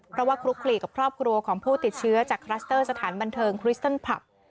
เพราะว่าคลุกคลีกับครอบครัวของผู้ติดเชื้อจากคลัสเตอร์สถานบันเทิงคริสตันผับ